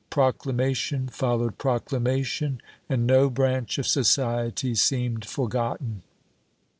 Proclamation followed proclamation, and no branch of society seemed forgotten.